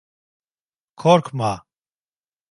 Korkma.